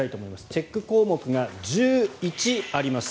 チェック項目が１１あります。